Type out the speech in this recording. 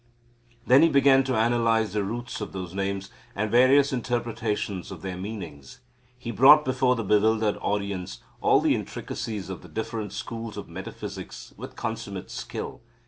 Then he began to analyse the roots of those names, and various interpretations of their meanings. He brought before the bewildered audience all the intricacies of the different schools of metaphysics with consummate skill.